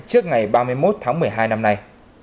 trước ngày ba mươi một tháng một mươi hai năm nay